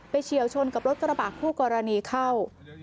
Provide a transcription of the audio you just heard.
เฉียวชนกับรถกระบะคู่กรณีเข้า